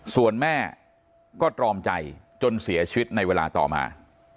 ส่วนแม่ก็ตรอมใจจนเสียชีวิตในเวลาต่อมา